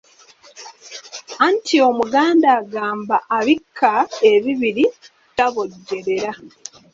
Anti Omuganda agamba "Abikka ebibiri tabojjerera".